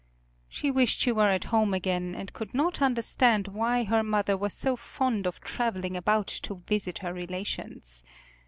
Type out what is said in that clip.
She wished she were at home again, and could not understand why her mother was so fond of traveling about to visit her relations.